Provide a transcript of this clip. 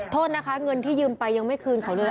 โทษนะคะเงินที่ยืมไปยังไม่คืนเขาเลย